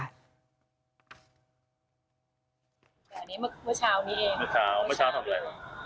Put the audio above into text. อันนี้เมื่อเช้านี้เองเมื่อเช้าเมื่อเช้าทำอะไร